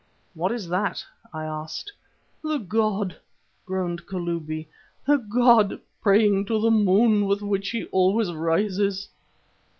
"What is that?" I asked. "The god," groaned the Kalubi, "the god praying to the moon with which he always rises."